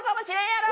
やろ